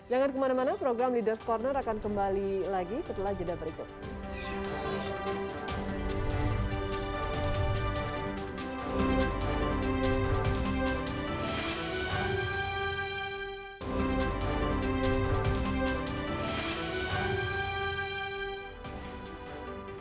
jangan kemana mana program leaders' corner akan kembali lagi setelah jeda berikut